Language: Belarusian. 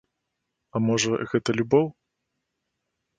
А можа, гэта любоў?